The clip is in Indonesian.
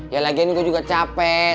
ya lagi ini gue juga capek